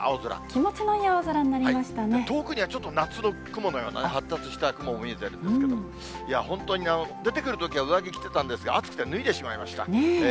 気持ちのいい青空になりまし遠くにはちょっと夏の雲のような、発達した雲も見えてるんですけども、いや、本当に出てくるときは上着着てたんですが、暑くて脱いでしまいました。